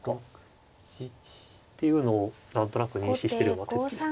っていうのを何となく認識してるような手つきです。